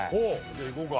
じゃあいこうか。